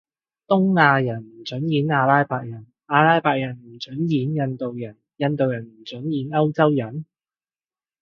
東亞人唔准演阿拉伯人，阿拉伯人唔准演印度人，印度人唔准演歐洲人？